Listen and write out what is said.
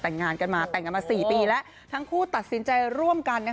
แต่งกันมา๔ปีแล้วทั้งคู่ตัดสินใจร่วมกัน